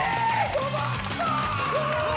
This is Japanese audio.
止まった！